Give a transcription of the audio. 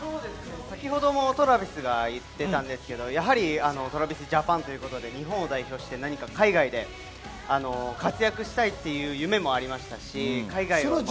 先程もトラヴィスが言っていたんですけど、やはりＴｒａｖｉｓＪａｐａｎということで、日本を代表して何か海外で活躍したいという夢もありましたし。